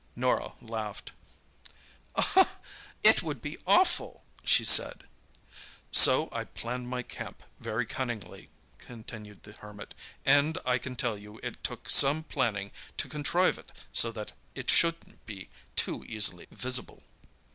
Norah laughed. "It would be awful," she said. "So I planned my camp very cunningly," continued the Hermit, "and I can tell you it took some planning to contrive it so that it shouldn't be too easily visible."